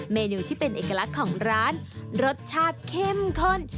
เมนูที่เป็นเอกลักษณ์ของร้านรสชาติเข้มข้น